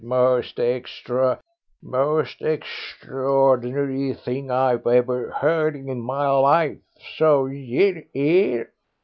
"Most extra most extraordinary thing I ever heard in my life, so yer 'ere?"